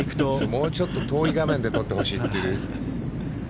もうちょっと遠い画面で撮ってほしい。